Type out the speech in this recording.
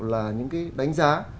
là những cái đánh giá